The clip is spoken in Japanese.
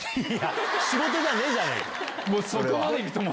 仕事じゃねえじゃねぇか！